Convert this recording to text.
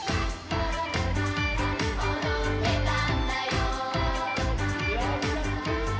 「踊ってたんだよ」